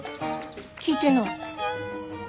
聞いてない。